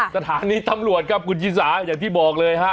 สถานีตำรวจครับคุณชิสาอย่างที่บอกเลยฮะ